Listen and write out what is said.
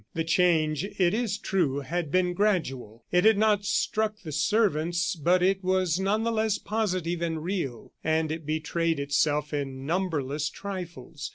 The change, it is true, had been gradual; it had not struck the servants, but it was none the less positive and real, and it betrayed itself in numberless trifles.